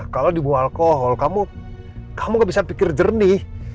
kalau di buah alkohol kamu gak bisa pikir jernih